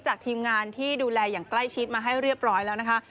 ทีมงานที่ดูแลอย่างใกล้ชิดมาให้เรียบร้อยแล้วนะคะ